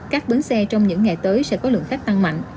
các bến xe trong những ngày tới sẽ có lượng khách tăng mạnh